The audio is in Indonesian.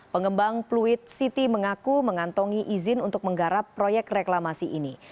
pengembang pluit city mengaku mengantongi izin untuk menggarap proyek reklamasi ini